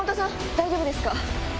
大丈夫ですか？